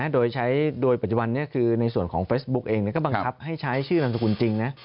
โดยใช้โดยปัจจุบันนี้คือในส่วนของเฟซบุ๊กเองก็บังคับให้ใช้ชื่อนามสกุลจริงนะ